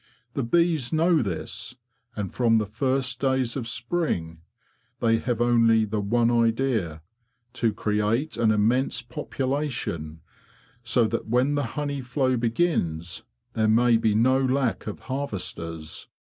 The bees know this, and from the first days of spring they have only the one idea—to create an immense population, so that when the honey flow begins there may be no lack of harvesters.